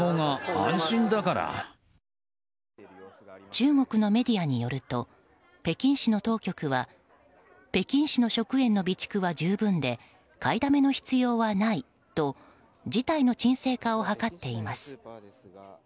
中国のメディアによると北京市の当局は北京市の食塩の備蓄は十分で買いだめの必要はないと事態の鎮静化を図っています。